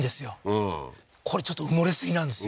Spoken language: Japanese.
うんこれちょっと埋もれすぎなんですよ